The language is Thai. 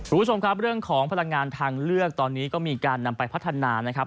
คุณผู้ชมครับเรื่องของพลังงานทางเลือกตอนนี้ก็มีการนำไปพัฒนานะครับ